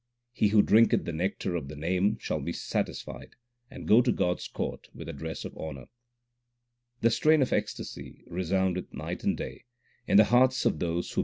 He who drinketh the nectar of the Name shall be satisfied, and go to God s court with a dress of honour. The strain of ecstasy 2 resoundeth night and day in the hearts of those who bear great love to the Word.